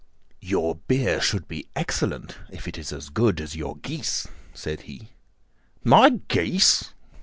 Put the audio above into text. "Your beer should be excellent if it is as good as your geese," said he. "My geese!"